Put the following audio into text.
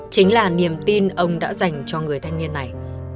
chính là niềm tin ông đã dành cho người thanh niên này